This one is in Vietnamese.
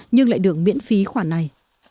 nhưng lại đường miễn phí khoản này